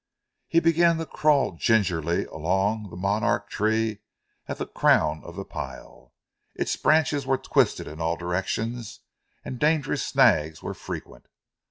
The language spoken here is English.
He began to crawl gingerly along the monarch tree at the crown of the pile. Its branches were twisted in all directions and dangerous snags were frequent.